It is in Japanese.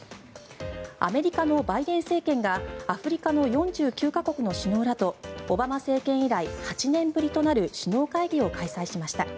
アメリカのバイデン政権がアフリカの４９か国の首脳らとオバマ政権以来８年ぶりとなる首脳会議を開催しました。